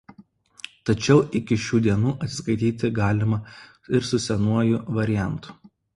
Tačiau iki šių dienų atsiskaityti galima ir su senuoju variantu.